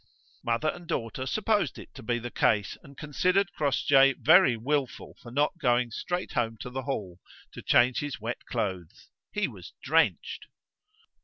Mother and daughter supposed it to be the case, and considered Crossjay very wilful for not going straight home to the Hall to change his wet clothes; he was drenched.